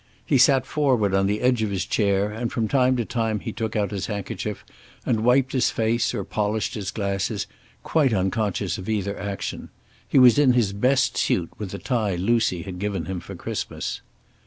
He sat forward on the edge of his chair, and from time to time he took out his handkerchief and wiped his face or polished his glasses, quite unconscious of either action. He was in his best suit, with the tie Lucy had given him for Christmas.